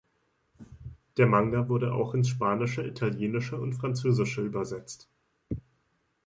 Der Manga wurde auch ins Spanische, Italienische und Französische übersetzt.